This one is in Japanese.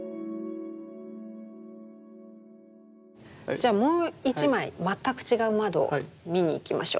じゃあもう一枚全く違う窓見に行きましょう。